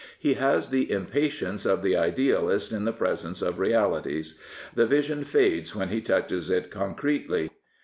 He has the impatience of the idealist in the presence of realities. The vision fades when he touches it concretely.